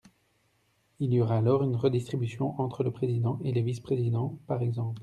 Il y aura alors une redistribution entre le président et les vice-présidents, par exemple.